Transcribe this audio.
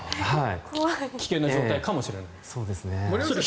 危険な状態かもしれない。